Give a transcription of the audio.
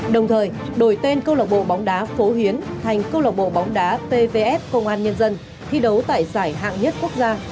đồng thời đổi tên công an hà nội thành công an nhân dân thi đấu tại giải hạng nhất quốc gia